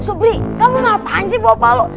subli kamu mau apaan sih bawa balu